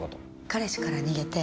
彼氏から逃げて。